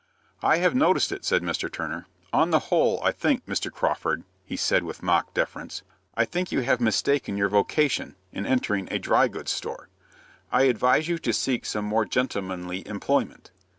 "I have noticed it," said Mr. Turner. "On the whole, I think, Mr. Crawford," he said, with mock deference, "I think you have mistaken your vocation in entering a dry goods store. I advise you to seek some more gentlemanly employment.